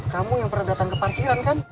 kamu yang pernah datang ke parkiran kan